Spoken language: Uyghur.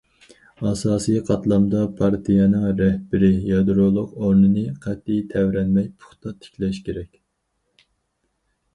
ئاساسىي قاتلامدا پارتىيەنىڭ رەھبىرىي يادرولۇق ئورنىنى قەتئىي تەۋرەنمەي پۇختا تىكلەش كېرەك.